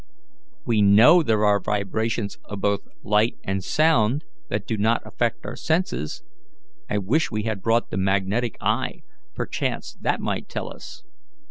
We know there are vibrations of both light and sound that do not affect our senses. I wish we had brought the magnetic eye; perchance that might tell us."